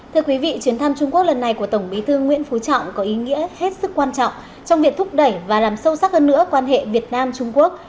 thưa quý vị chuyến thăm trung quốc lần này của tổng bí thư nguyễn phú trọng có ý nghĩa hết sức quan trọng trong việc thúc đẩy và làm sâu sắc hơn nữa quan hệ việt nam trung quốc